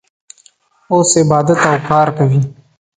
اوس عبادت او کار کوي.